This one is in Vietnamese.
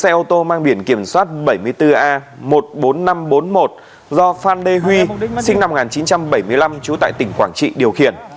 xe ô tô mang biển kiểm soát bảy mươi bốn a một mươi bốn nghìn năm trăm bốn mươi một do phan đê huy sinh năm một nghìn chín trăm bảy mươi năm trú tại tỉnh quảng trị điều khiển